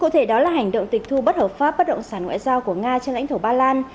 cụ thể đó là hành động tịch thu bất hợp pháp bất động sản ngoại giao của nga trên lãnh thổ ba lan